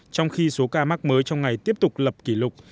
trong khi số ca mắc mới trong ngày tiếp tục lập kỷ lục